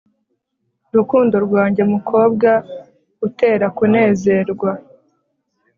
rukundo rwanjye, mukobwa utera kunezerwa